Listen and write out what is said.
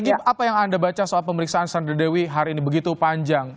baik mas egy apa yang anda baca soal pemeriksaan sandra dewi hari ini begitu panjang